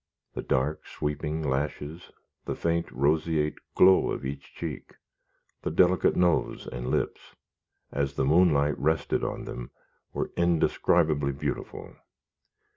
The dark, sweeping lashes, the faint roseate glow of each cheek, the delicate nose and lips, as the moonlight rested on them, were indescribably beautiful.